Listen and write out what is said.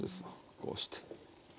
こうして。